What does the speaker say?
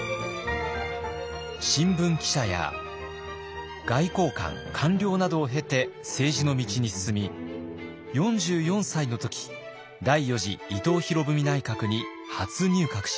新聞記者や外交官官僚などを経て政治の道に進み４４歳の時第４次伊藤博文内閣に初入閣します。